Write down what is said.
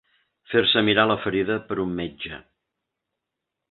Fer-se mirar la ferida per un metge.